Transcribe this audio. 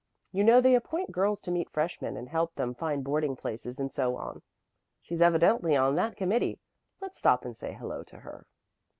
You know they appoint girls to meet freshmen and help them find boarding places and so on. She's evidently on that committee. Let's stop and say hello to her."